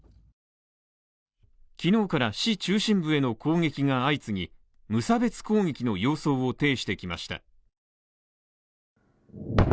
昨日から市中心部への攻撃が相次ぎ無差別攻撃の様相を呈してきました。